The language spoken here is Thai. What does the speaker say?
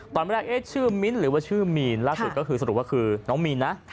ตอนแรกเอ๊ะชื่อมิ้นหรือว่าชื่อมีนล่าสุดก็คือสรุปว่าคือน้องมีนนะ